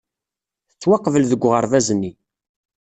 Tettwaqbel deg uɣerbaz-nni.